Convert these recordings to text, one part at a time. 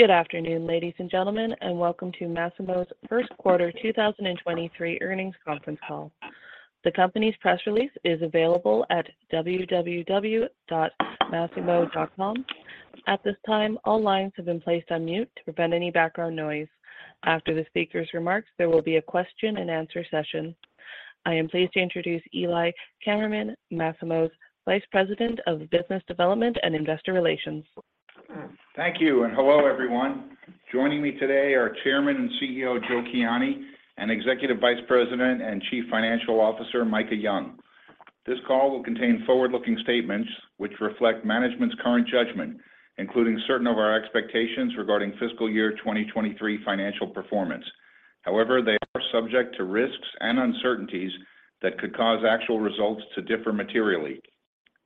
Good afternoon, ladies and gentlemen. Welcome to Masimo's Q1 2023 earnings conference call. The company's press release is available at www.masimo.com. At this time, all lines have been placed on mute to prevent any background noise. After the speaker's remarks, there will be a question and answer session. I am pleased to introduce Eli Kammerman, Masimo's Vice President of Business Development and Investor Relations. Thank you. Hello, everyone. Joining me today are Chairman and CEO, Joe Kiani, and Executive Vice President and Chief Financial Officer, Micah Young. This call will contain forward-looking statements which reflect management's current judgment, including certain of our expectations regarding fiscal year 2023 financial performance. They are subject to risks and uncertainties that could cause actual results to differ materially.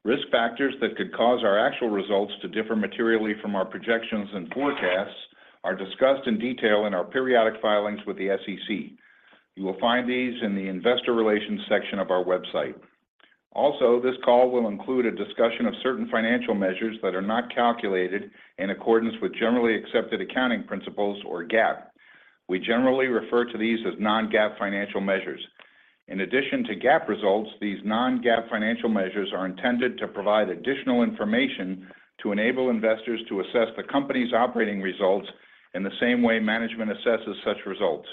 Risk factors that could cause our actual results to differ materially from our projections and forecasts are discussed in detail in our periodic filings with the SEC. You will find these in the investor relations section of our website. This call will include a discussion of certain financial measures that are not calculated in accordance with generally accepted accounting principles or GAAP. We generally refer to these as non-GAAP financial measures. In addition to GAAP results, these non-GAAP financial measures are intended to provide additional information to enable investors to assess the company's operating results in the same way management assesses such results.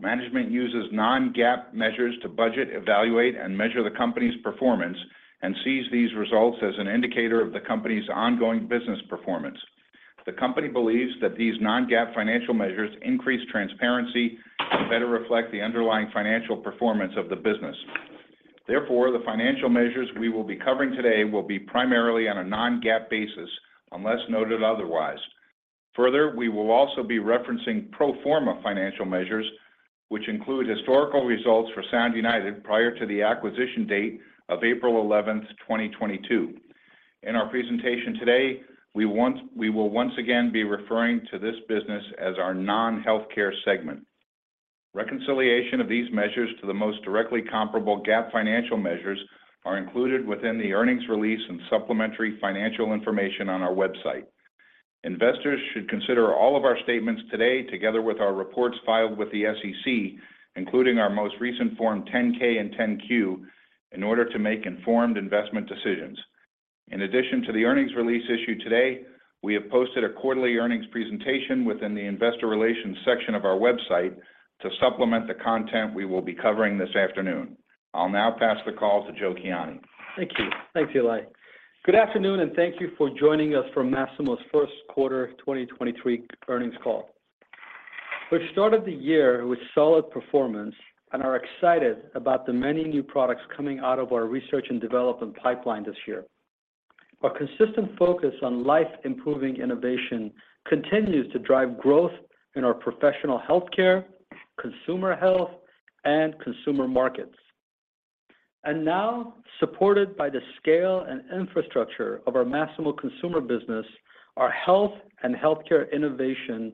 Management uses non-GAAP measures to budget, evaluate, and measure the company's performance and sees these results as an indicator of the company's ongoing business performance. The company believes that these non-GAAP financial measures increase transparency and better reflect the underlying financial performance of the business. Therefore, the financial measures we will be covering today will be primarily on a non-GAAP basis, unless noted otherwise. Further, we will also be referencing pro forma financial measures, which include historical results for Sound United prior to the acquisition date of April 11th 2022. In our presentation today, we will once again be referring to this business as our non-healthcare segment. Reconciliation of these measures to the most directly comparable GAAP financial measures are included within the earnings release and supplementary financial information on our website. Investors should consider all of our statements today, together with our reports filed with the SEC, including our most recent form 10-K and 10-Q, in order to make informed investment decisions. In addition to the earnings release issued today, we have posted a quarterly earnings presentation within the investor relations section of our website to supplement the content we will be covering this afternoon. I'll now pass the call to Joe Kiani. Thank you. Thanks, Eli. Good afternoon, and thank you for joining us for Masimo's Q1 2023 earnings call. We started the year with solid performance and are excited about the many new products coming out of our research and development pipeline this year. Our consistent focus on life-improving innovation continues to drive growth in our professional healthcare, consumer health, and consumer markets. Now, supported by the scale and infrastructure of our Masimo Consumer business, our health and healthcare innovation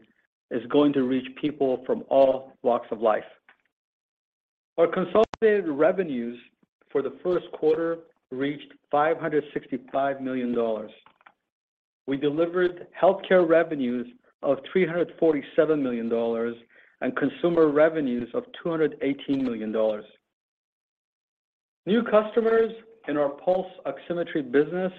is going to reach people from all walks of life. Our consolidated revenues for the Q1 reached $565 million. We delivered healthcare revenues of $347 million and consumer revenues of $218 million. New customers in our pulse oximetry business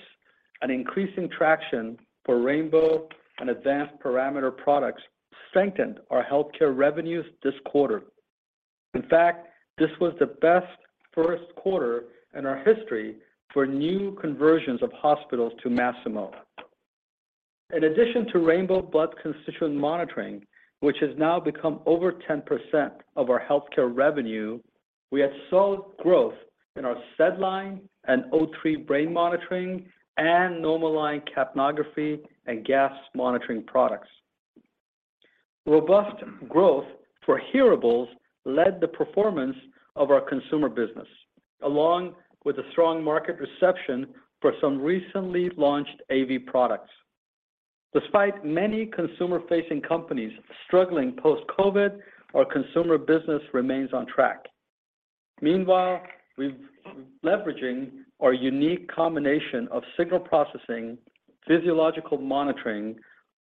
and increasing traction for Rainbow and advanced parameter products strengthened our healthcare revenues this quarter. In fact, this was the best Q1 in our history for new conversions of hospitals to Masimo. In addition to rainbow blood constituent monitoring, which has now become over 10% of our healthcare revenue, we have solid growth in our SedLine and O3 brain monitoring and NomoLine capnography and gas monitoring products. Robust growth for hearables led the performance of our consumer business, along with a strong market reception for some recently launched AV products. Despite many consumer-facing companies struggling post-COVID, our consumer business remains on track. Meanwhile, we're leveraging our unique combination of signal processing, physiological monitoring,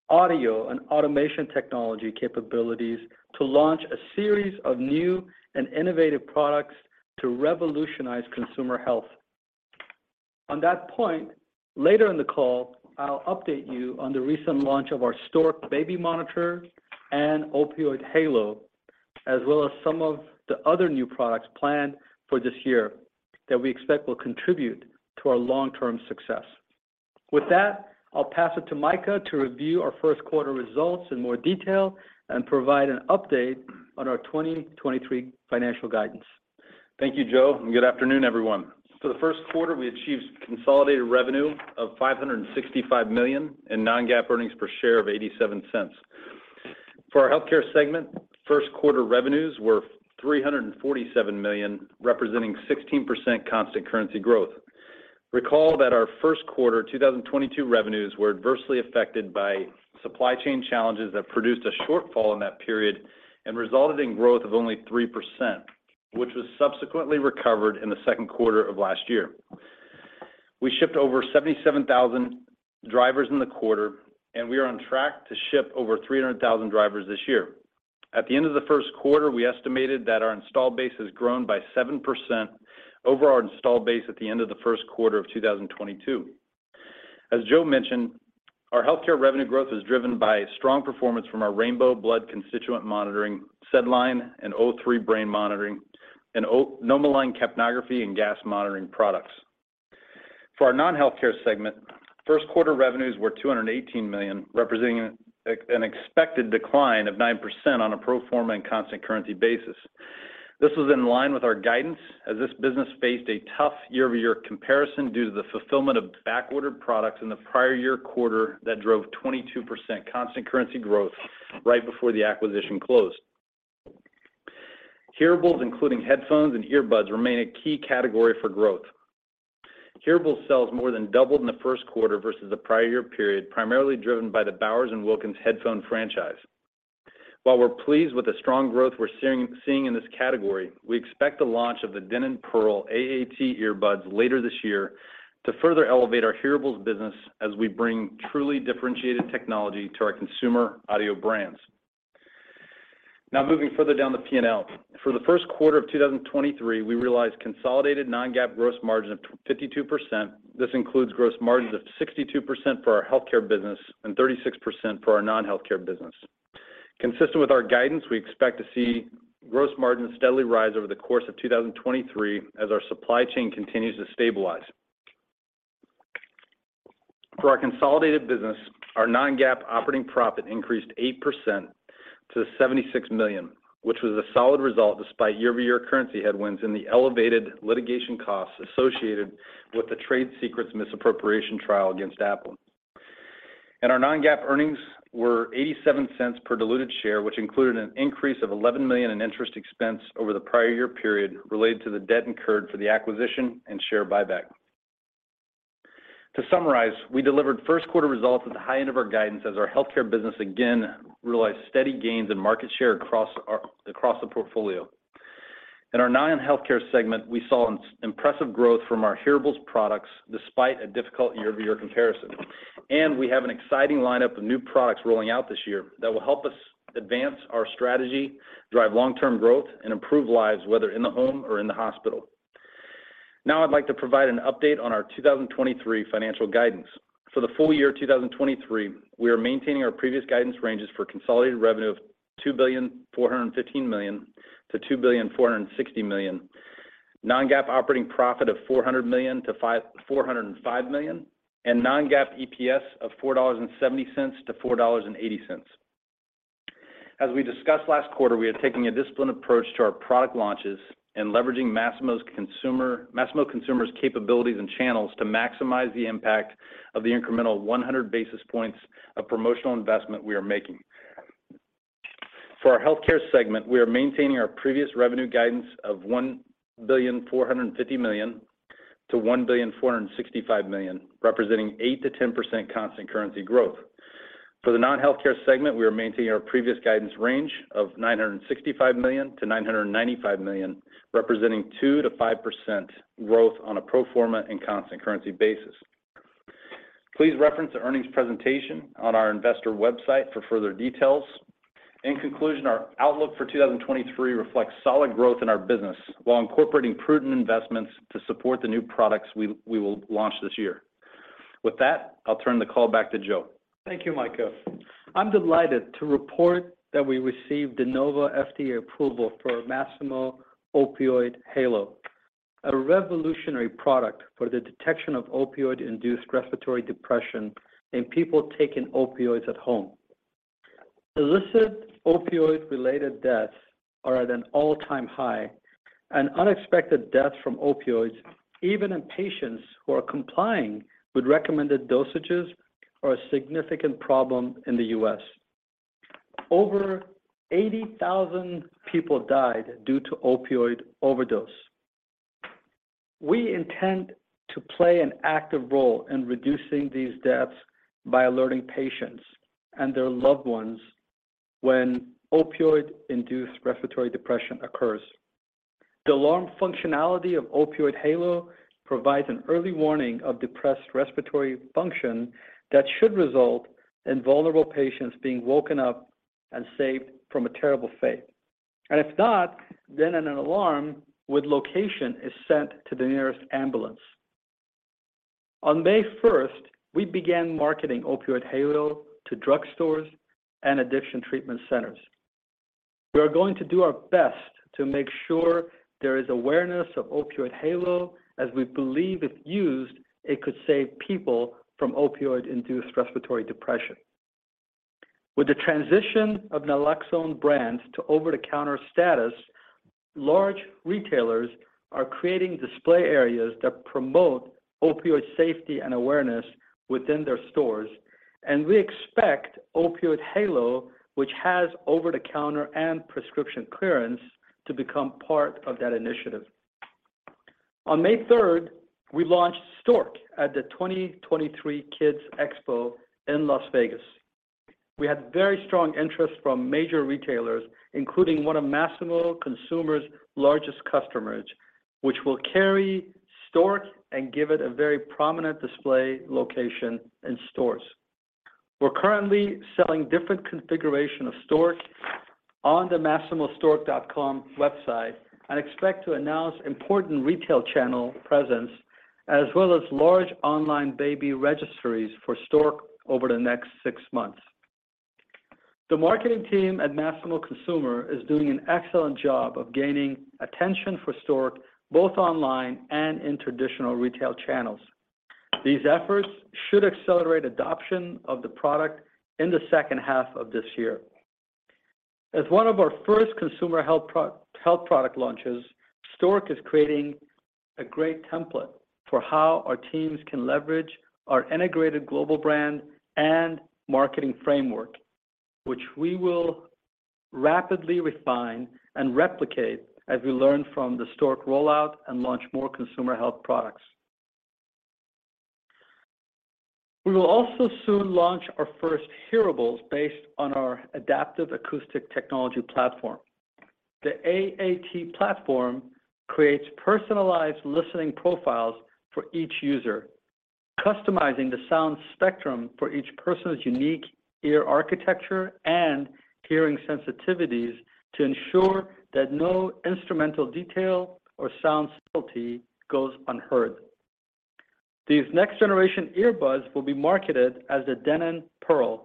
audio, and automation technology capabilities to launch a series of new and innovative products to revolutionize consumer health. On that point, later in the call, I'll update you on the recent launch of our Stork baby monitor and Opioid Halo, as well as some of the other new products planned for this year that we expect will contribute to our long-term success. With that, I'll pass it to Micah to review our Q1 results in more detail and provide an update on our 2023 financial guidance. Thank you, Joe. Good afternoon, everyone. For the Q1, we achieved consolidated revenue of $565 million and non-GAAP earnings per share of $0.87. For our healthcare segment, Q1 revenues were $347 million, representing 16% constant currency growth. Recall that our Q1 2022 revenues were adversely affected by supply chain challenges that produced a shortfall in that period and resulted in growth of only 3%, which was subsequently recovered in the Q2 of last year. We shipped over 77,000 drivers in the quarter, and we are on track to ship over 300,000 drivers this year. At the end of the Q1, we estimated that our installed base has grown by 7% over our installed base at the end of the Q1 of 2022. As Joe mentioned, our healthcare revenue growth is driven by strong performance from our rainbow blood constituent monitoring, SedLine and O3 brain monitoring, and NomoLine capnography and gas monitoring products. For our non-healthcare segment, Q1 revenues were $218 million, representing an expected decline of 9% on a pro forma and constant currency basis. This was in line with our guidance as this business faced a tough year-over-year comparison due to the fulfillment of back-ordered products in the prior year quarter that drove 22% constant currency growth right before the acquisition closed. Hearables, including headphones and earbuds, remain a key category for growth. Hearables sales more than doubled in the Q1 versus the prior year period, primarily driven by the Bowers & Wilkins headphone franchise. While we're pleased with the strong growth we're seeing in this category, we expect the launch of the Denon PerL AAT earbuds later this year to further elevate our hearables business as we bring truly differentiated technology to our consumer audio brands. Now moving further down the P&L. For the Q1 of 2023, we realized consolidated non-GAAP gross margin of 52%. This includes gross margins of 62% for our healthcare business and 36% for our non-healthcare business. Consistent with our guidance, we expect to see gross margins steadily rise over the course of 2023 as our supply chain continues to stabilize. For our consolidated business, our non-GAAP operating profit increased 8% to $76 million, which was a solid result despite year-over-year currency headwinds and the elevated litigation costs associated with the trade secrets misappropriation trial against Apple. Our non-GAAP earnings were $0.87 per diluted share, which included an increase of $11 million in interest expense over the prior year period related to the debt incurred for the acquisition and share buyback. To summarize, we delivered Q1 results at the high end of our guidance as our healthcare business again realized steady gains in market share across the portfolio. In our non-healthcare segment, we saw an impressive growth from our hearables products despite a difficult year-over-year comparison. We have an exciting lineup of new products rolling out this year that will help us advance our strategy, drive long-term growth, and improve lives, whether in the home or in the hospital. Now I'd like to provide an update on our 2023 financial guidance. For the full year 2023, we are maintaining our previous guidance ranges for consolidated revenue of $2.415 billion-$2.460 billion, non-GAAP operating profit of $400 million-$405 million, and non-GAAP EPS of $4.70-$4.80. As we discussed last quarter, we are taking a disciplined approach to our product launches and leveraging Masimo Consumer's capabilities and channels to maximize the impact of the incremental 100 basis points of promotional investment we are making. For our healthcare segment, we are maintaining our previous revenue guidance of $1.45 billion-$1.465 billion, representing 8%-10% constant currency growth. For the non-healthcare segment, we are maintaining our previous guidance range of $965 million-$995 million, representing 2%-5% growth on a pro forma and constant currency basis. Please reference the earnings presentation on our investor website for further details. In conclusion, our outlook for 2023 reflects solid growth in our business while incorporating prudent investments to support the new products we will launch this year. With that, I'll turn the call back to Joe. Thank you, Micah. I'm delighted to report that we received De Novo FDA approval for Masimo Opioid Halo, a revolutionary product for the detection of opioid-induced respiratory depression in people taking opioids at home. Illicit opioid-related deaths are at an all-time high, and unexpected deaths from opioids, even in patients who are complying with recommended dosages, are a significant problem in the U.S. Over 80,000 people died due to opioid overdose. We intend to play an active role in reducing these deaths by alerting patients and their loved ones when opioid-induced respiratory depression occurs. The alarm functionality of Opioid Halo provides an early warning of depressed respiratory function that should result in vulnerable patients being woken up and saved from a terrible fate. If not, then an alarm with location is sent to the nearest ambulance. On May first, we began marketing Opioid Halo to drugstores and addiction treatment centers. We are going to do our best to make sure there is awareness of Opioid Halo, as we believe if used, it could save people from opioid-induced respiratory depression. With the transition of naloxone brands to over-the-counter status, large retailers are creating display areas that promote opioid safety and awareness within their stores. We expect Opioid Halo, which has over-the-counter and prescription clearance, to become part of that initiative. On May third, we launched Stork at the 2023 Kids Expo in Las Vegas. We had very strong interest from major retailers, including one of Masimo Consumer's largest customers, which will carry Stork and give it a very prominent display location in stores. We're currently selling different configuration of Stork on the MasimoStork.com website and expect to announce important retail channel presence as well as large online baby registries for Stork over the next six months. The marketing team at Masimo Consumer is doing an excellent job of gaining attention for Stork, both online and in traditional retail channels. These efforts should accelerate adoption of the product in the second half of this year. As one of our first consumer health product launches, Stork is creating a great template for how our teams can leverage our integrated global brand and marketing framework, which we will rapidly refine and replicate as we learn from the Stork rollout and launch more consumer health products. We will also soon launch our first hearables based on our Adaptive Acoustic Technology platform. The AAT platform creates personalized listening profiles for each user, customizing the sound spectrum for each person's unique ear architecture and hearing sensitivities to ensure that no instrumental detail or sound subtlety goes unheard. These next generation earbuds will be marketed as the Denon PerL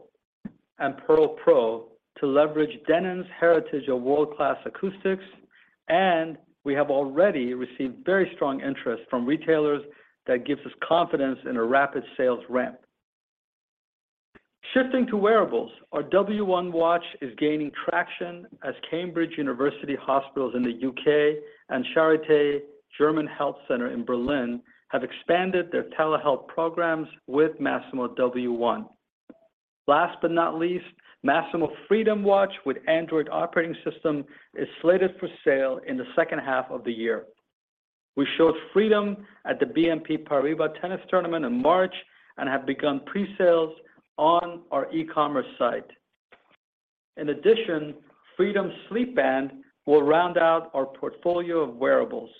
and PerL Pro to leverage Denon's heritage of world-class acoustics, and we have already received very strong interest from retailers that gives us confidence in a rapid sales ramp. Shifting to wearables, our W1 watch is gaining traction as Cambridge University Hospitals in the UK and Charité – Universitätsmedizin Berlin have expanded their telehealth programs with Masimo W1. Last but not least, Masimo Freedom smartwatch with Android operating system is slated for sale in the second half of the year. We showed Freedom at the BNP Paribas tennis tournament in March and have begun pre-sales on our e-commerce site. In addition, Freedom Sleep Band will round out our portfolio of wearables,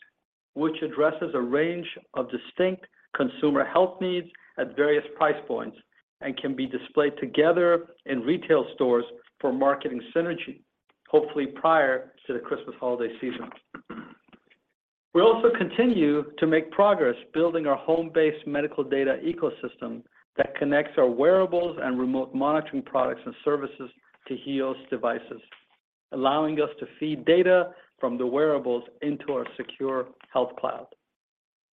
which addresses a range of distinct consumer health needs at various price points and can be displayed together in retail stores for marketing synergy, hopefully prior to the Christmas holiday season. We also continue to make progress building our home-based medical data ecosystem that connects our wearables and remote monitoring products and services to HEOS devices, allowing us to feed data from the wearables into our secure health cloud.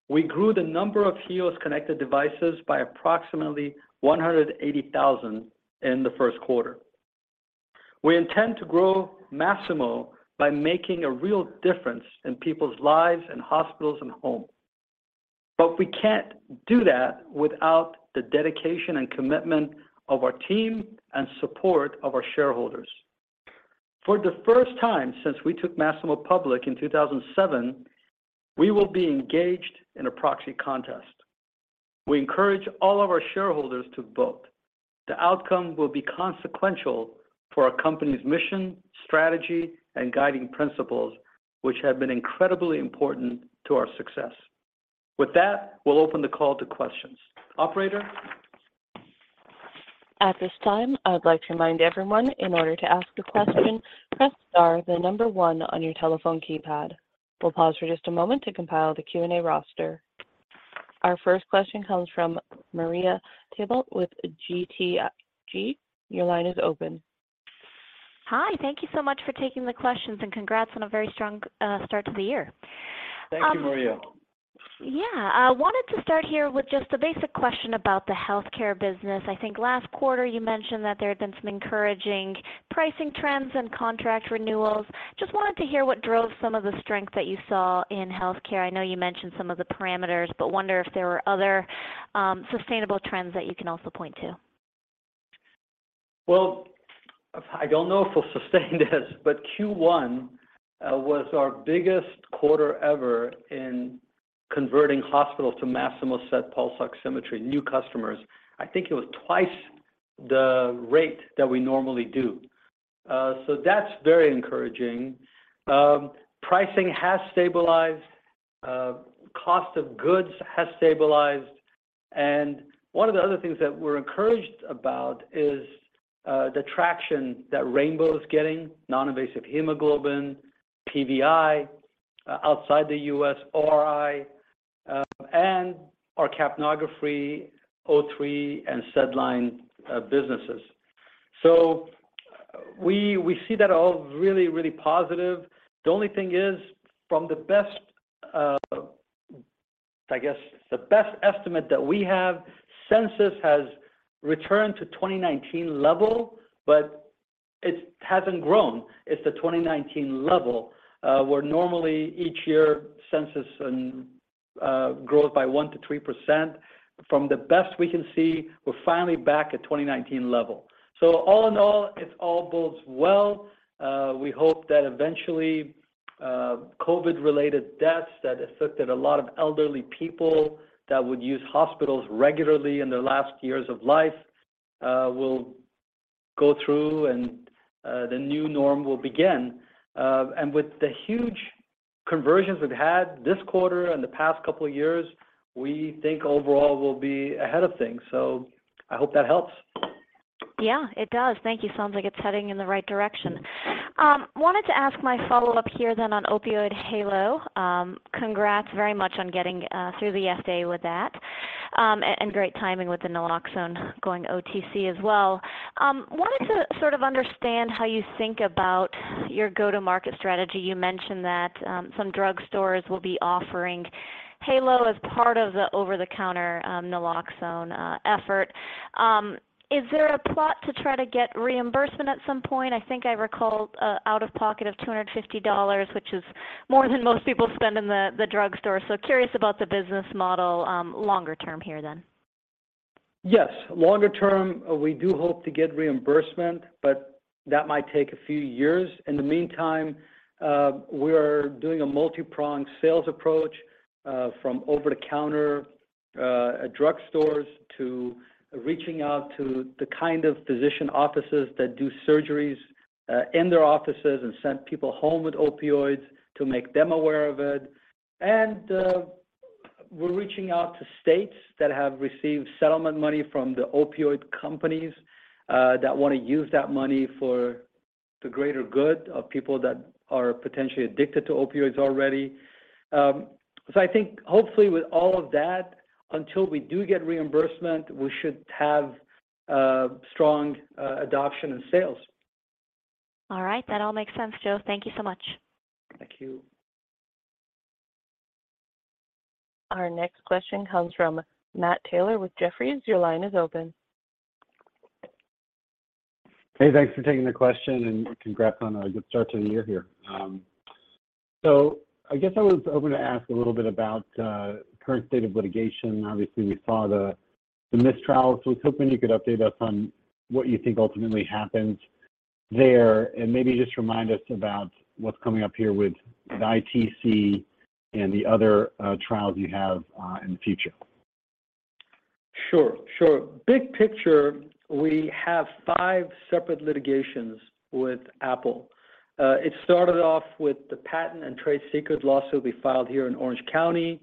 We grew the number of HEOS connected devices by approximately 180,000 in the Q1. We intend to grow Masimo by making a real difference in people's lives in hospitals and home. We can't do that without the dedication and commitment of our team and support of our shareholders. For the first time since we took Masimo public in 2007, we will be engaged in a proxy contest. We encourage all of our shareholders to vote. The outcome will be consequential for our company's mission, strategy, and guiding principles, which have been incredibly important to our success. With that, we'll open the call to questions. Operator? At this time, I would like to remind everyone, in order to ask a question, press star, then one on your telephone keypad. We'll pause for just a moment to compile the Q&A roster. Our first question comes from Marie Thibault with BTIG. Your line is open. Hi. Thank you so much for taking the questions. Congrats on a very strong start to the year. Thank you, Marie. Yeah. I wanted to start here with just a basic question about the healthcare business. I think last quarter you mentioned that there had been some encouraging pricing trends and contract renewals. Just wanted to hear what drove some of the strength that you saw in healthcare. I know you mentioned some of the parameters, but wonder if there were other, sustainable trends that you can also point to. I don't know if we're sustained as, but Q1 was our biggest quarter ever in converting hospitals to Masimo SET pulse oximetry, new customers. I think it was twice the rate that we normally do. That's very encouraging. Pricing has stabilized, cost of goods has stabilized. One of the other things that we're encouraged about is the traction that rainbow is getting, non-invasive hemoglobin, PVI, outside the US, ORI, and our capnography, O3, and SedLine businesses. We see that all really, really positive. The only thing is from the best, I guess the best estimate that we have, census has returned to 2019 level, but it hasn't grown. It's the 2019 level, where normally each year census and grows by 1% to 3%. From the best we can see, we're finally back at 2019 level. If all bodes well, we hope that eventually, COVID-related deaths that affected a lot of elderly people that would use hospitals regularly in their last years of life, will go through and the new norm will begin. With the huge conversions we've had this quarter and the past couple of years, we think overall we'll be ahead of things. I hope that helps. Yeah, it does. Thank you. Sounds like it's heading in the right direction. Wanted to ask my follow-up here then on Opioid Halo. Congrats very much on getting through the FDA with that, and great timing with the naloxone going OTC as well. Wanted to sort of understand how you think about your go-to-market strategy. You mentioned that some drugstores will be offering Halo as part of the over-the-counter naloxone effort. Is there a plot to try to get reimbursement at some point? I think I recall out-of-pocket of $250, which is more than most people spend in the drugstore. Curious about the business model longer term here then. Yes. Longer term, we do hope to get reimbursement, but that might take a few years. In the meantime, we are doing a multi-pronged sales approach from over-the-counter at drugstores to reaching out to the kind of physician offices that do surgeries in their offices and send people home with opioids to make them aware of it. We're reaching out to states that have received settlement money from the opioid companies that wanna use that money for the greater good of people that are potentially addicted to opioids already. I think hopefully with all of that, until we do get reimbursement, we should have strong adoption and sales. All right. That all makes sense, Joe. Thank you so much. Thank you. Our next question comes from Matt Taylor with Jefferies. Your line is open. Hey, thanks for taking the question and congrats on a good start to the year here. I guess I was hoping to ask a little bit about current state of litigation. Obviously, we saw the mistrials. I was hoping you could update us on what you think ultimately happened there, and maybe just remind us about what's coming up here with the ITC and the other trials you have in the future. Sure, sure. Big picture, we have five separate litigations with Apple. It started off with the patent and trade secret lawsuit we filed here in Orange County,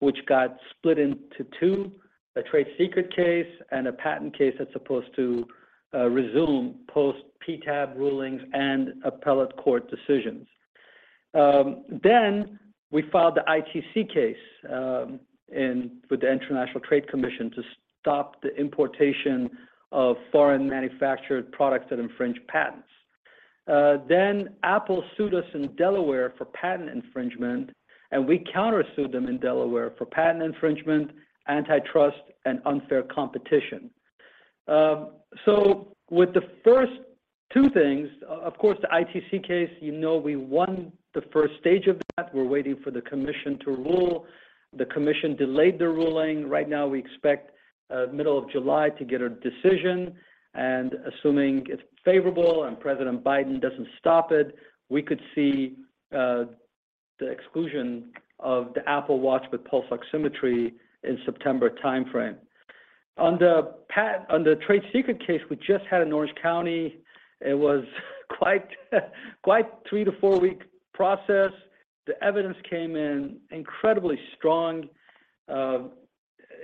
which got split into two, a trade secret case and a patent case that's supposed to resume post PTAB rulings and appellate court decisions. We filed the ITC case with the International Trade Commission to stop the importation of foreign manufactured products that infringe patents. Apple sued us in Delaware for patent infringement, and we countersued them in Delaware for patent infringement, antitrust, and unfair competition. With the first two things, of course, the ITC case, you know we won the first stage of that. We're waiting for the commission to rule. The commission delayed the ruling. Right now, we expect middle of July to get a decision, and assuming it's favorable and President Biden doesn't stop it, we could see the exclusion of the Apple Watch with pulse oximetry in September timeframe. On the trade secret case we just had in Orange County, it was quite three to four week process. The evidence came in incredibly strong. The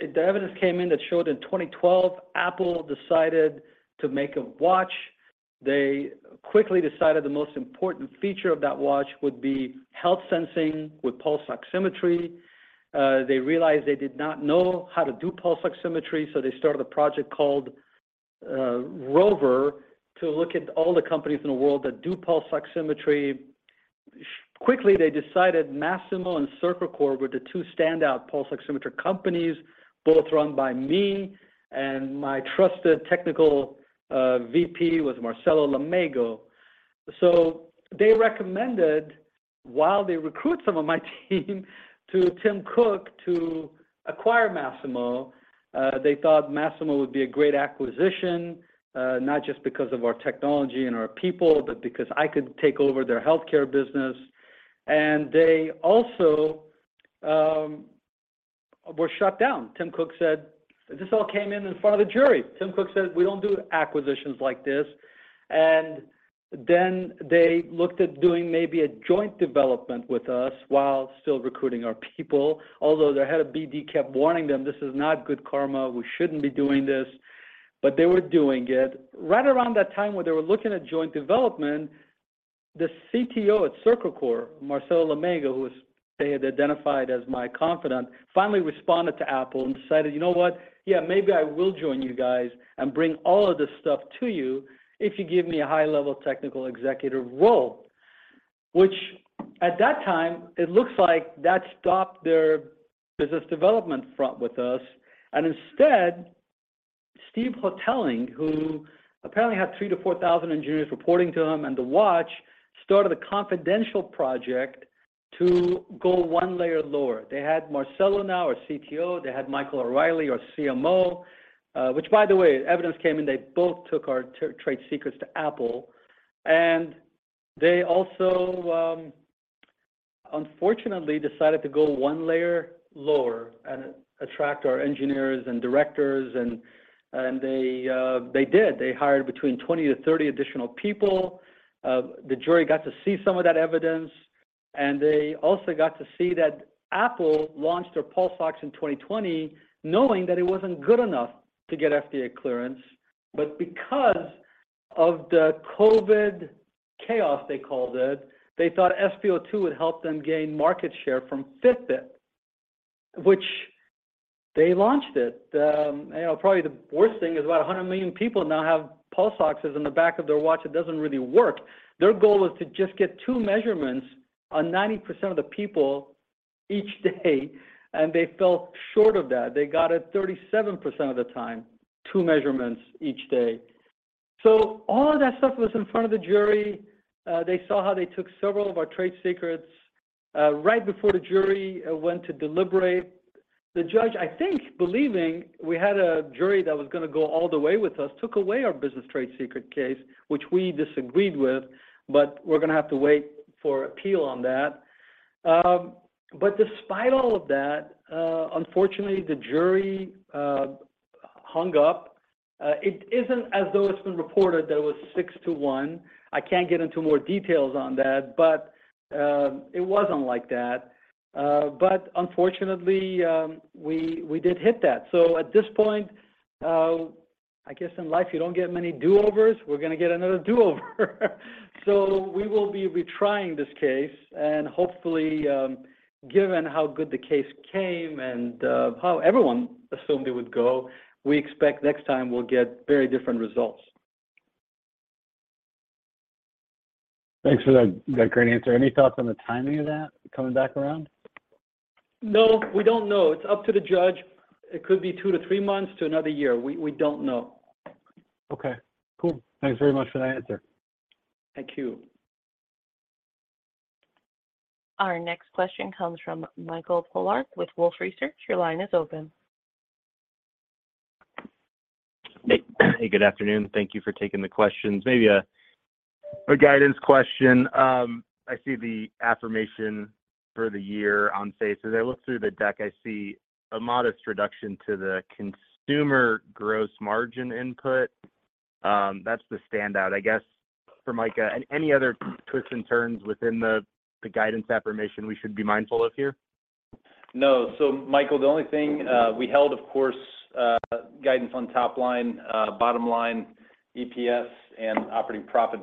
evidence came in that showed in 2012, Apple decided to make a watch. They quickly decided the most important feature of that watch would be health sensing with pulse oximetry. They realized they did not know how to do pulse oximetry, so they started a project called Rover to look at all the companies in the world that do pulse oximetry. Quickly, they decided Masimo and Cercacor were the two standout pulse oximeter companies, both run by me and my trusted technical VP was Marcelo Lamego. They recommended, while they recruit some of my team, to Tim Cook to acquire Masimo. They thought Masimo would be a great acquisition, not just because of our technology and our people, but because I could take over their healthcare business. They also were shut down. Tim Cook said. This all came in in front of the jury. Tim Cook said, "We don't do acquisitions like this." They looked at doing maybe a joint development with us while still recruiting our people. Although their head of BD kept warning them, "This is not good karma. We shouldn't be doing this," but they were doing it. Right around that time when they were looking at joint development, the CTO at Cercacor, Marcelo Lamego, they had identified as my confidant, finally responded to Apple and decided, "You know what? Yeah, maybe I will join you guys and bring all of this stuff to you if you give me a high-level technical executive role." Which at that time, it looks like that stopped their business development front with us. Instead, Steve Hotelling, who apparently had 3,000-4,000 engineers reporting to him and the watch, started a confidential project. To go one layer lower, they had Marcelo now, our CTO, they had Michael O'Reilly, our CMO, which, by the way, evidence came in, they both took our trade secrets to Apple. They also, unfortunately decided to go one layer lower and attract our engineers and directors. They hired between 20 to 30 additional people. The jury got to see some of that evidence, they also got to see that Apple launched their pulse ox in 2020 knowing that it wasn't good enough to get FDA clearance. Because of the COVID chaos, they called it, they thought SpO2 would help them gain market share from Fitbit, which they launched it. You know, probably the worst thing is about 100 million people now have pulse oxes in the back of their watch that doesn't really work. Their goal was to just get two measurements on 90% of the people each day, they fell short of that. They got it 37% of the time, two measurements each day. All of that stuff was in front of the jury. They saw how they took several of our trade secrets. Right before the jury went to deliberate, the judge, I think, believing we had a jury that was gonna go all the way with us, took away our business trade secret case, which we disagreed with, but we're gonna have to wait for appeal on that. Despite all of that, unfortunately, the jury hung up. It isn't as though it's been reported that it was 6:1. I can't get into more details on that, but it wasn't like that. Unfortunately, we did hit that. At this point, I guess in life, you don't get many do-overs. We're gonna get another do-over. We will be retrying this case, and hopefully, given how good the case came and how everyone assumed it would go, we expect next time we'll get very different results. Thanks for that great answer. Any thoughts on the timing of that coming back around? No, we don't know. It's up to the judge. It could be two to three months to another year. We don't know. Okay, cool. Thanks very much for that answer. Thank you. Our next question comes from Mike Polark with Wolfe Research. Your line is open. Hey. Hey, good afternoon. Thank you for taking the questions. Maybe a guidance question. I see the affirmation for the year on say. As I look through the deck, I see a modest reduction to the consumer gross margin input. That's the standout. I guess for Micah, any other twists and turns within the guidance affirmation we should be mindful of here? No. Michael, the only thing, we held of course, guidance on top line, bottom line EPS and operating profit.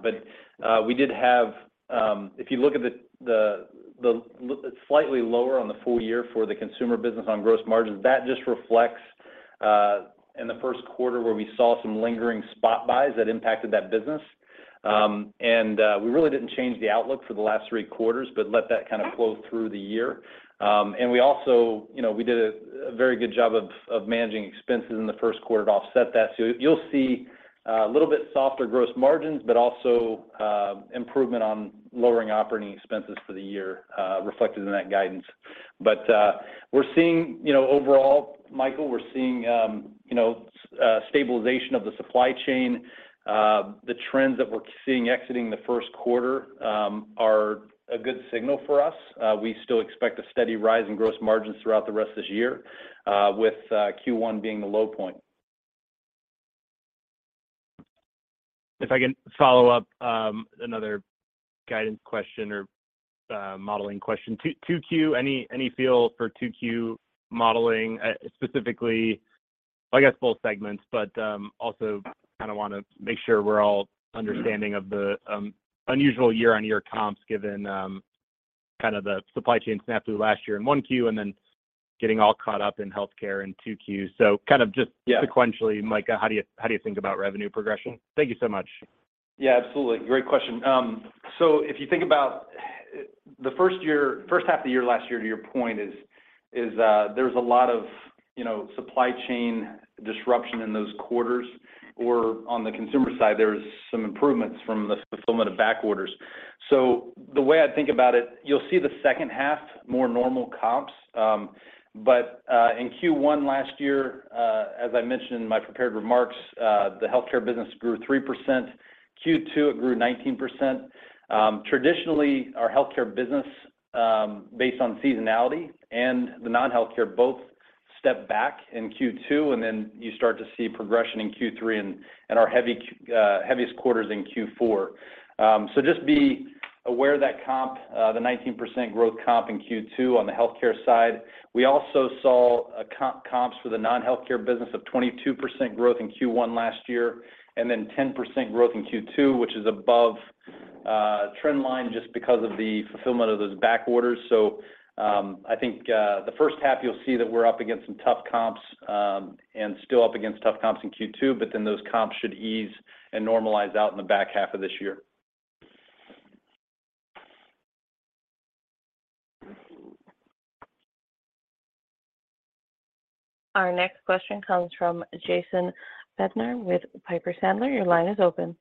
We did have, if you look at the slightly lower on the full year for the consumer business on gross margins, that just reflects in the Q1 where we saw some lingering spot buys that impacted that business. We really didn't change the outlook for the last three quarters, let that kind of flow through the year. We also, you know, we did a very good job of managing expenses in the Q1 to offset that. You'll see a little bit softer gross margins, also improvement on lowering operating expenses for the year, reflected in that guidance. We're seeing, you know, overall, Michael, we're seeing, you know, stabilization of the supply chain. The trends that we're seeing exiting the Q1 are a good signal for us. We still expect a steady rise in gross margins throughout the rest of this year, with Q1 being the low point. If I can follow up, another guidance question or modeling question. 2Q, any feel for 2Q modeling, specifically, I guess, both segments, but also kinda wanna make sure we're all understanding of the unusual year-on-year comps given kind of the supply chain snafu last year in 1Q and then getting all caught up in healthcare in 2Q. Yeah. Sequentially, Micah, how do you think about revenue progression? Thank you so much. Yeah, absolutely. Great question. If you think about the first year, first half of the year last year, to your point is, there was a lot of, you know, supply chain disruption in those quarters, or on the consumer side, there was some improvements from the fulfillment of back orders. The way I think about it, you'll see the second half more normal comps, but, in Q1 last year, as I mentioned in my prepared remarks, the healthcare business grew 3%. Q2, it grew 19%. Traditionally, our healthcare business, based on seasonality and the non-healthcare both step back in Q2, and then you start to see progression in Q3 and our heavy, heaviest quarters in Q4. Just be aware that comp, the 19% growth comp in Q2 on the healthcare side. We also saw comps for the non-healthcare business of 22% growth in Q1 last year, and then 10% growth in Q2, which is above trend line just because of the fulfillment of those back orders. I think the first half you'll see that we're up against some tough comps, and still up against tough comps in Q2, but then those comps should ease and normalize out in the back half of this year. Our next question comes from Jason Bednar with Piper Sandler. Your line is open.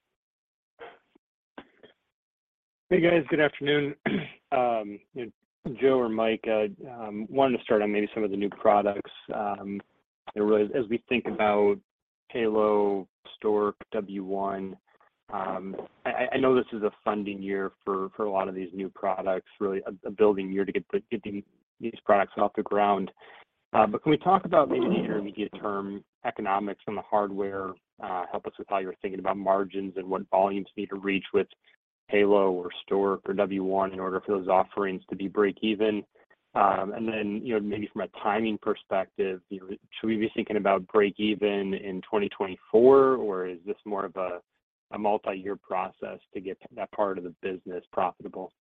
Hey guys. Good afternoon. Joe or Mike, wanted to start on maybe some of the new products, that really as we think about Halo, Stork, W1. I know this is a funding year for a lot of these new products, really a building year to get these products off the ground. Can we talk about maybe the intermediate term economics from the hardware, help us with how you're thinking about margins and what volumes need to reach with Halo or Stork or W1 in order for those offerings to be break even? Then, you know, maybe from a timing perspective, you know, should we be thinking about break even in 2024, or is this more of a multi-year process to get that part of the business profitable?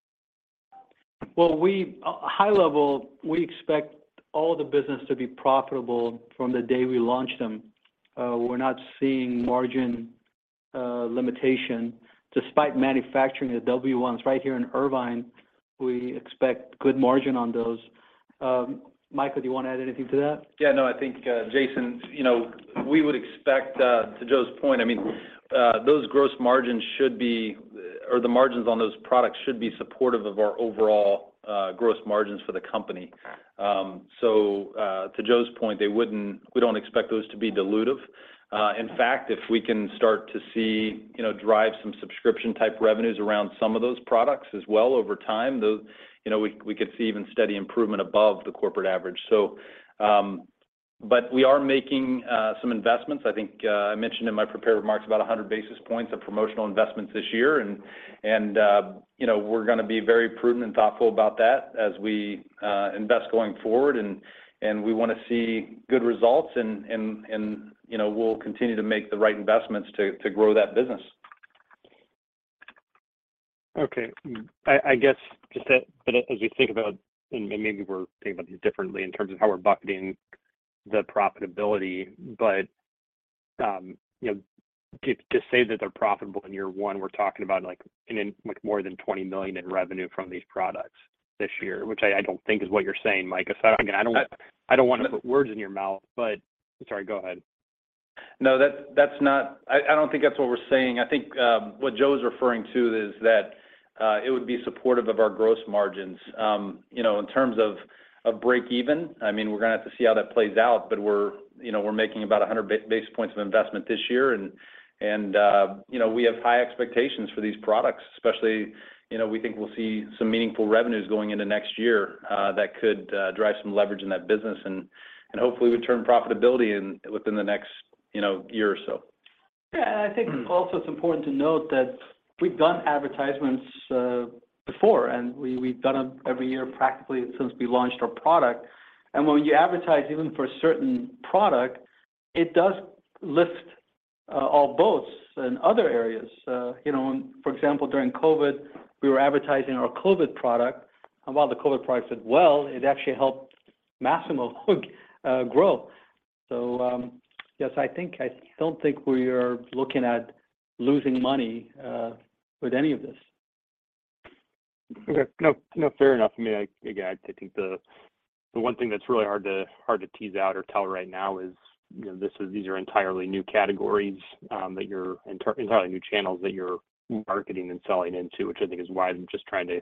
Well, high level, we expect all the business to be profitable from the day we launch them. We're not seeing margin limitation despite manufacturing the W1s right here in Irvine. We expect good margin on those. Micah, do you want to add anything to that? I think, Jason, you know, we would expect, to Joe's point, I mean, those gross margins should be, or the margins on those products should be supportive of our overall, gross margins for the company. To Joe's point, we don't expect those to be dilutive. In fact, if we can start to see, you know, drive some subscription type revenues around some of those products as well over time, you know, we could see even steady improvement above the corporate average. But we are making some investments. I think I mentioned in my prepared remarks about 100 basis points of promotional investments this year and, you know, we're gonna be very prudent and thoughtful about that as we invest going forward. We wanna see good results and, you know, we'll continue to make the right investments to grow that business. I guess just that as we think about, and maybe we're thinking about these differently in terms of how we're bucketing the profitability. You know, to say that they're profitable in year one, we're talking about like more than $20 million in revenue from these products this year, which I don't think is what you're saying, Micah. Again. No. I don't want to put words in your mouth, but... Sorry, go ahead. No, I don't think that's what we're saying. I think, what Joe's referring to is that it would be supportive of our gross margins. You know, in terms of break even, I mean, we're gonna have to see how that plays out, but we're, you know, we're making about 100 base points of investment this year and, you know, we have high expectations for these products, especially, you know, we think we'll see some meaningful revenues going into next year, that could drive some leverage in that business and, hopefully return profitability within the next, you know, year or so. Yeah. I think also it's important to note that we've done advertisements before, and we've done them every year practically since we launched our product. When you advertise even for a certain product, it does lift all boats in other areas. You know, for example, during COVID, we were advertising our COVID product, and while the COVID product did well, it actually helped Masimo grow. Yes, I don't think we are looking at losing money with any of this. Okay. No, no, fair enough. I mean, again, I think the one thing that's really hard to tease out or tell right now is, you know, these are entirely new categories, that you're entirely new channels that you're marketing and selling into, which I think is why I'm just trying to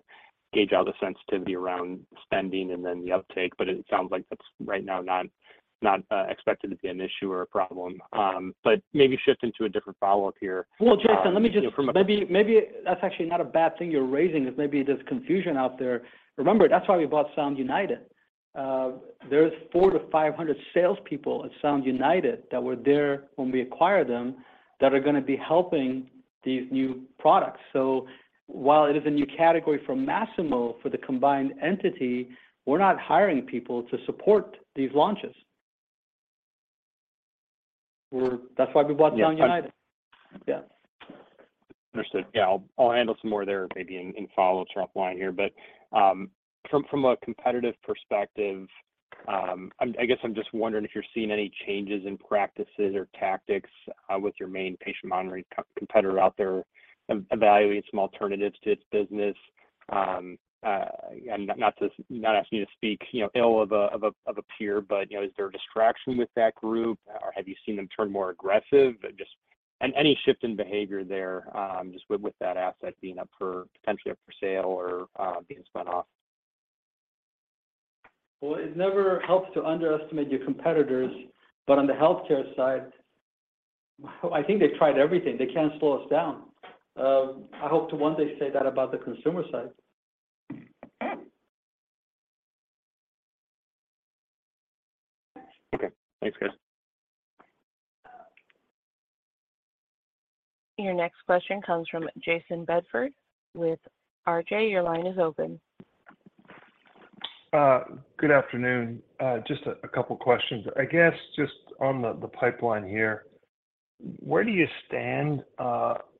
gauge out the sensitivity around spending and then the uptake. It sounds like that's right now not expected to be an issue or a problem. Maybe shift into a different follow-up here. Well, Jason. You know. Maybe that's actually not a bad thing you're raising, is maybe there's confusion out there. Remember, that's why we bought Sound United. There's 400-500 salespeople at Sound United that were there when we acquired them that are gonna be helping these new products. While it is a new category for Masimo for the combined entity, we're not hiring people to support these launches. That's why we bought Sound United. Yeah. Understood. Yeah. I'll handle some more there maybe in follow-up line here. From, from a competitive perspective, I guess I'm just wondering if you're seeing any changes in practices or tactics, with your main patient monitoring co-competitor out there, evaluating some alternatives to its business. I'm not asking you to speak, you know, ill of a, of a, of a peer, but, you know, is there a distraction with that group, or have you seen them turn more aggressive? Just any shift in behavior there, just with that asset being up for potentially up for sale or, being spun off? Well, it never helps to underestimate your competitors, but on the healthcare side, I think they've tried everything. They can't slow us down. I hope to one day say that about the consumer side. Okay. Thanks, guys. Your next question comes from Jayson Bedford with RJ. Your line is open. Good afternoon. Just a couple questions. I guess just on the pipeline here, where do you stand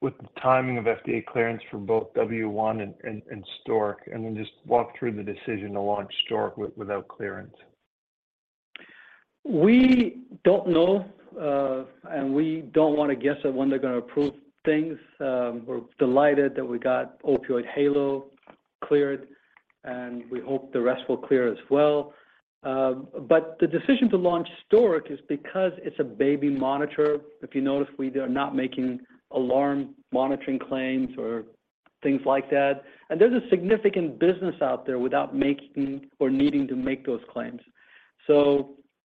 with the timing of FDA clearance for both W1 and Stork, then just walk through the decision to launch Stork without clearance? We don't know, and we don't want to guess at when they're gonna approve things. We're delighted that we got Opioid Halo cleared, and we hope the rest will clear as well. The decision to launch Stork is because it's a baby monitor. If you notice, we are not making alarm monitoring claims or things like that. There's a significant business out there without making or needing to make those claims.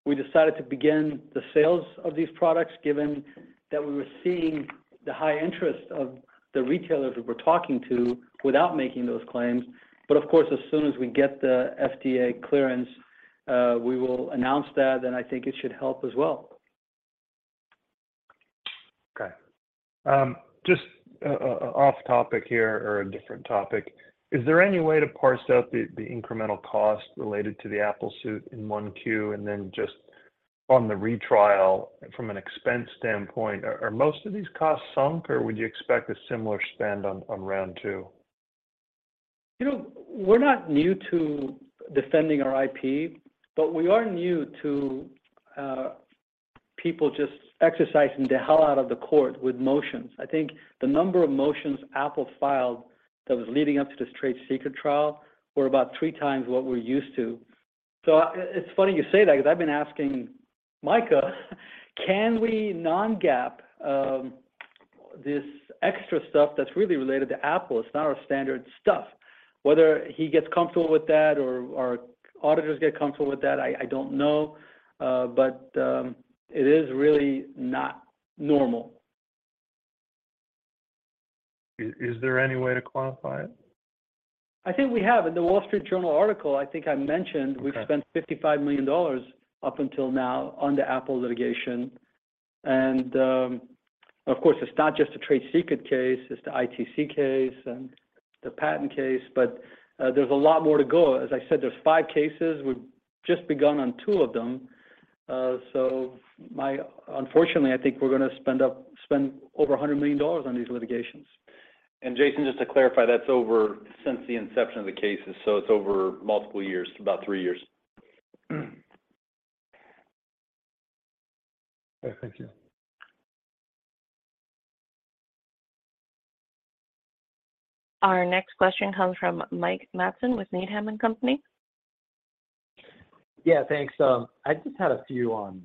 We decided to begin the sales of these products, given that we were seeing the high interest of the retailers that we're talking to without making those claims. Of course, as soon as we get the FDA clearance, we will announce that, then I think it should help as well. Okay. Just off topic here or a different topic. Is there any way to parse out the incremental cost related to the Apple suit in 1Q and then just on the retrial from an expense standpoint, are most of these costs sunk, or would you expect a similar spend on round two? You know, we're not new to defending our IP, but we are new to people just exercising the hell out of the court with motions. I think the number of motions Apple filed that was leading up to this trade secret trial were about three times what we're used to. It's funny you say that because I've been asking Micah, can we non-GAAP this extra stuff that's really related to Apple? It's not our standard stuff. Whether he gets comfortable with that or our auditors get comfortable with that, I don't know, but it is really not normal. Is there any way to quantify it? I think we have. In the Wall Street Journal article, I think I mentioned- Okay we've spent $55 million up until now on the Apple litigation. of course, it's not just a trade secret case, it's the ITC case and the patent case, there's a lot more to go. As I said, there's five cases. We've just begun on two of them. unfortunately, I think we're gonna spend over $100 million on these litigations. Jason, just to clarify, that's over since the inception of the cases, so it's over multiple years, about three years. Okay. Thank you. Our next question comes from Mike Matson with Needham & Company. Yeah, thanks. I just had a few on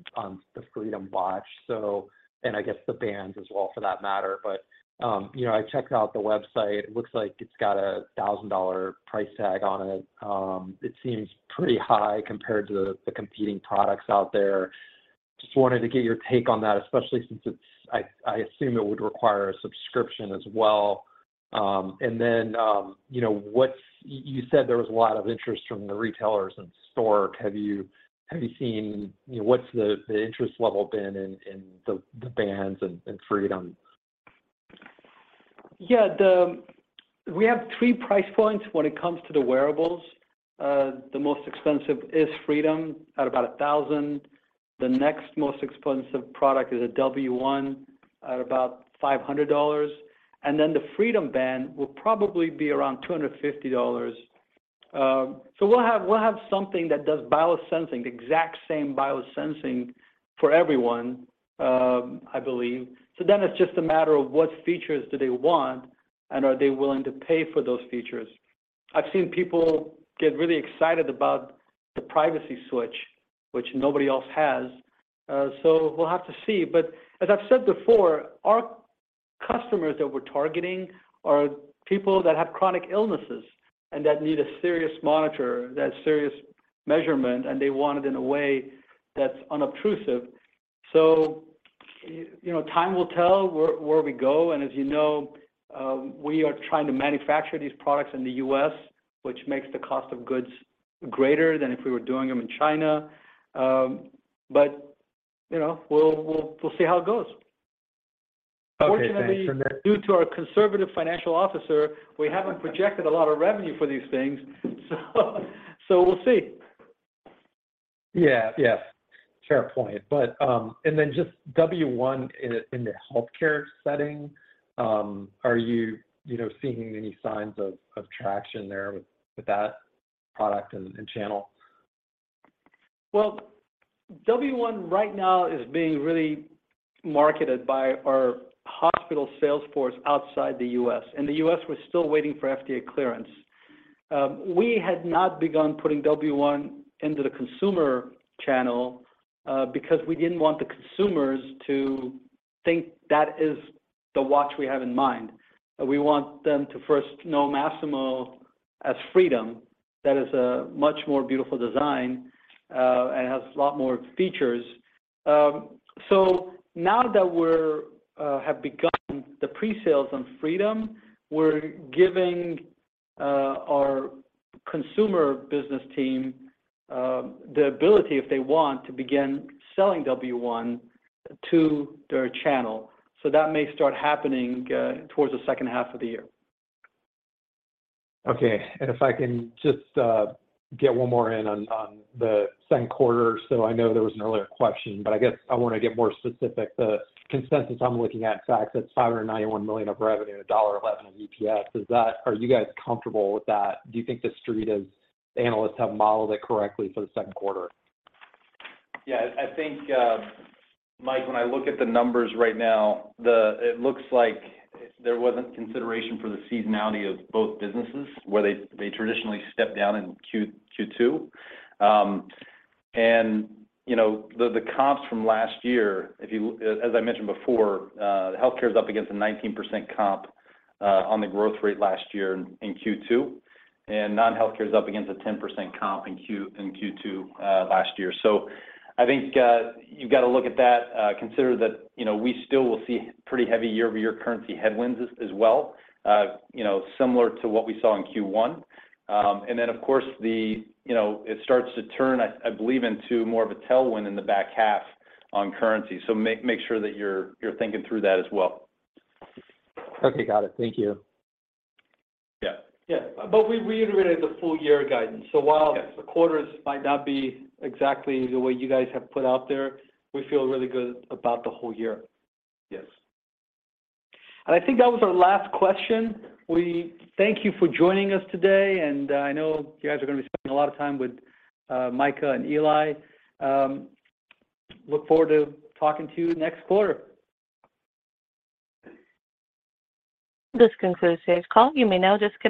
the Freedom watch, and I guess the bands as well for that matter. You know, I checked out the website. It looks like it's got a $1,000 price tag on it. It seems pretty high compared to the competing products out there. Just wanted to get your take on that, especially since it's, I assume it would require a subscription as well. You know, what's, you said there was a lot of interest from the retailers in Stork. Have you seen, you know, what's the interest level been in the bands and Freedom? Yeah. We have 3 price points when it comes to the wearables. The most expensive is Freedom at about $1,000. The next most expensive product is a W1 at about $500. The Freedom Band will probably be around $250. We'll have something that does biosensing, the exact same biosensing for everyone, I believe. It's just a matter of what features do they want, and are they willing to pay for those features. I've seen people get really excited about the privacy switch, which nobody else has. We'll have to see. As I've said before, our customers that we're targeting are people that have chronic illnesses and that need a serious monitor, that serious measurement, and they want it in a way that's unobtrusive. you know, time will tell where we go. As you know, we are trying to manufacture these products in the U.S., which makes the cost of goods greater than if we were doing them in China. you know, we'll see how it goes. Okay. Thanks. Unfortunately, due to our conservative financial officer, we haven't projected a lot of revenue for these things, so we'll see. Yeah. Yes. Fair point. Then just W1 in the healthcare setting, are you know, seeing any signs of traction there with that product and channel? W1 right now is being really marketed by our hospital sales force outside the U.S. In the U.S., we're still waiting for FDA clearance. We had not begun putting W1 into the consumer channel, because we didn't want the consumers to think that is the watch we have in mind. We want them to first know Masimo as Freedom. That is a much more beautiful design, and has a lot more features. Now that we're have begun the pre-sales on Freedom, we're giving our consumer business team the ability if they want to begin selling W1 to their channel. That may start happening towards the H2 of the year. Okay. If I can just get one more in on the Q2. I know there was an earlier question, but I guess I wanna get more specific. The consensus I'm looking at, in fact, that's $591 million of revenue and $1.11 of EPS. Are you guys comfortable with that? Do you think the Street is... analysts have modeled it correctly for the Q2? Yeah. I think, Mike, when I look at the numbers right now, it looks like there wasn't consideration for the seasonality of both businesses where they traditionally step down in Q2. You know, the comps from last year, as I mentioned before, healthcare is up against a 19% comp on the growth rate last year in Q2, and non-healthcare is up against a 10% comp in Q2 last year. I think, you've got to look at that, consider that, you know, we still will see pretty heavy year-over-year currency headwinds as well, you know, similar to what we saw in Q1. Of course, you know, it starts to turn, I believe, into more of a tailwind in the back half on currency. Make sure that you're thinking through that as well. Okay. Got it. Thank you. Yeah. Yeah. We reiterated the full year guidance. Yes the quarters might not be exactly the way you guys have put out there, we feel really good about the whole year. Yes. I think that was our last question. We thank you for joining us today, and I know you guys are gonna be spending a lot of time with, Micah and Eli. Look forward to talking to you next quarter. This concludes today's call. You may now disconnect.